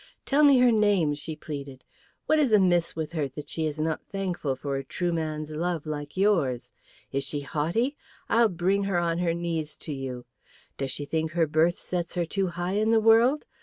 "Tell me her name!" she pleaded. "What is amiss with her that she is not thankful for a true man's love like yours? Is she haughty? I'll bring her on her knees to you. Does she think her birth sets her too high in the world?